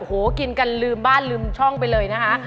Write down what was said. โอ้โหกินกันลืมบ้านลืมช่องไปเลยนะคะ